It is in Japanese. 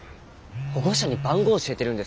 保護者に番号を教えてるんですか？